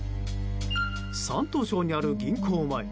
山東省にある銀行前。